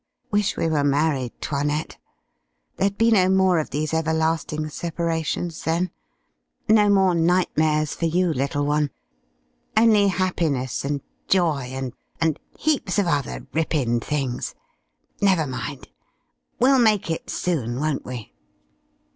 Wish we were married, 'Toinette. There'd be no more of these everlasting separations then. No more nightmares for you, little one. Only happiness and joy, and and heaps of other rippin' things. Never mind, we'll make it soon, won't we?"